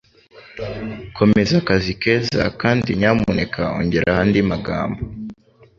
Komeza akazi keza kandi nyamuneka ongeraho andi magambo.